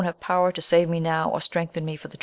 power to save me now, or strengthen me for the.